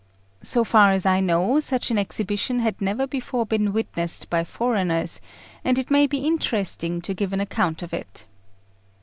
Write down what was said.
So far as I know, such an exhibition had never before been witnessed by foreigners, and it may be interesting to give an account of it.